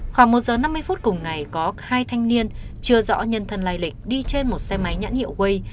khoảng một giờ năm mươi phút cùng ngày có hai thanh niên chưa rõ nhân thân lai lịch đi trên một xe máy nhãn hiệu way